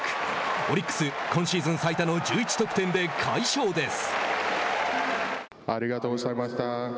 オリックス、今シーズン最多の１１得点で快勝です。